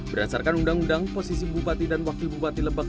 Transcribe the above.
berdasarkan undang undang posisi bupati dan wakil bupati lebak